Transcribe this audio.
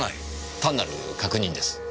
単なる確認です。